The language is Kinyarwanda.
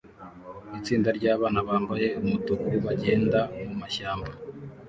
itsinda ryabantu bambaye umutuku bagenda mumashyamba